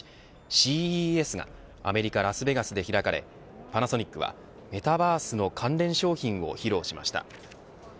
最新技術が並ぶ世界最大規模の見本市ＣＥＳがアメリカ、ラスベガスで開かれパナソニックはメタバースの関連商品を披露しました。